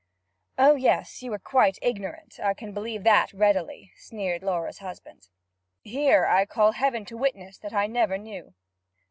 'Oh yes, you were quite ignorant; I can believe that readily,' sneered Laura's husband. 'I here call Heaven to witness that I never knew!'